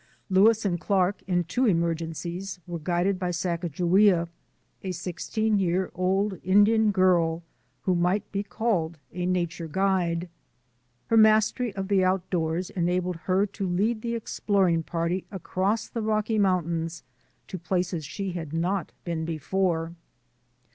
Lewis and Clark in two emergen cies were guided by Sacajawea, a sixteen year old Indian girl, who might be called a nature guide. Her mastery of the outdoors enabled her to lead the exploring party across the Rocky Mountains to places where she had not been before.